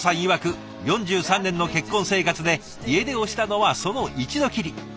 いわく４３年の結婚生活で家出をしたのはその一度きり。